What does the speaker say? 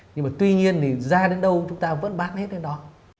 nhưng mà tuy nhiên thì ra đến đâu chúng ta vẫn bán hết đến đó